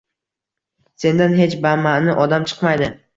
“sendan hech bamaʼni odam chiqmaydi”.